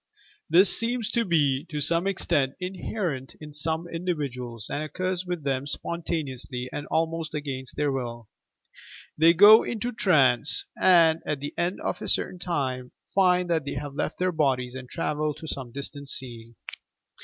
This seems to be, to some extent, inherent in some individuals, and occurs ■with them spontaneously and almost against their will. They go into trance and, at the end of a certain time, find that they have left their bodies and travelled to some distant scene